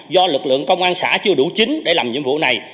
do lực lượng công an xã chưa đủ chính để làm nhiệm vụ này